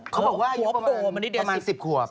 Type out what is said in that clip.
เขาบอกว่าอยู่ประมาณ๑๐ขวบขวบโตมันที่เดือนประมาณ๑๐ขวบ